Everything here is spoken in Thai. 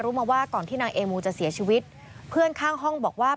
มาว่าก่อนที่นางเอมูจะเสียชีวิตเพื่อนข้างห้องบอกว่า